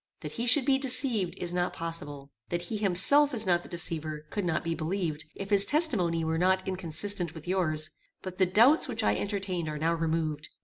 That he should be deceived, is not possible. That he himself is not the deceiver, could not be believed, if his testimony were not inconsistent with yours; but the doubts which I entertained are now removed.